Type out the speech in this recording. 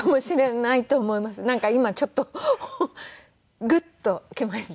なんか今ちょっとグッと来ました。